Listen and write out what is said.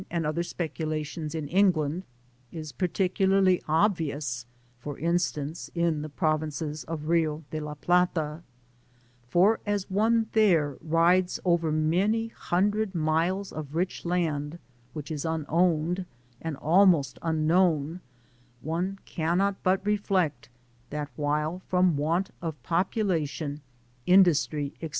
S77 and other speculations in England, is particularly obvious — ^for instance, in the provinces of Rio de la Plata ; for as one there rides over many hundred miles of rich land, which is unowned, and almost unknown, one cannot but reflect, that while, from want of population, industry, &c.